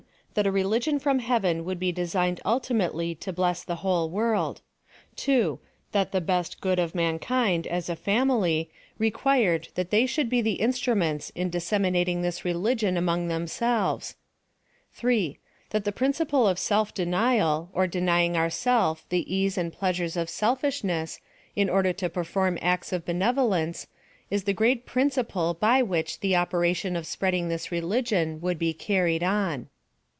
That a religion from heaven would be designed ultimately to bless the whole world. 2. That the best good of mankind, as a family, required that they should be the instruments in disseminating this religion among themselves. 3. That the principle of self denial, or denying ourself the ease and pleasures of selfish ness, in order to perform acts of benevolence, is the great principle by which the operation of spreading til is religion would be carried on.